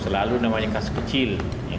selalu namanya kasus kecil